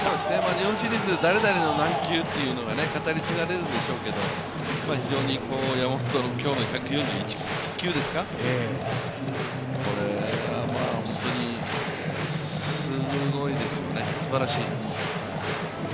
日本シリーズ、誰々の何球というのが語り継がれるんでしょうけど、非常に山本の今日の１４１球ですか、これは本当にすごいですよね、すばらしい。